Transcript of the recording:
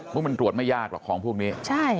มันตรวจไม่ยากหรอกของพวกนี้